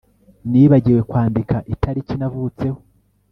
Nibagiwe kwandika itariki navutseho